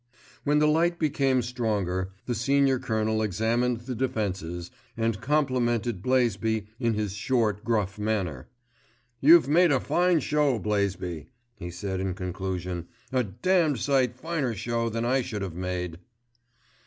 When the light became stronger, the Senior Colonel examined the defences, and complimented Blaisby in his short, gruff manner. "You've made a fine show, Blaisby," he said in conclusion, "A damned sight finer show than I should have made."